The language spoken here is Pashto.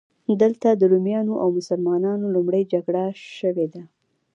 دلته د رومیانو او مسلمانانو لومړۍ جګړه شوې ده.